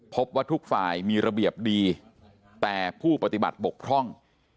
พบว่าทุกฝ่ายมีระเบียบดีแต่ผู้ปฏิบัติบกพร่อง